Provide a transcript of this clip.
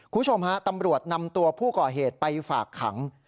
คุณผู้ชมฮะตำรวจนำตัวผู้ก่อเหตุไปฝากขัง